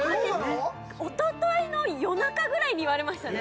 一昨日の夜中ぐらいに言われましたね。